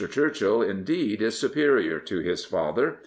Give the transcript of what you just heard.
Churchill, indeed, is superior to his father.